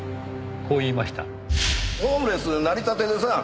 ホームレスなりたてでさ。